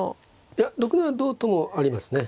いや６七同ともありますね。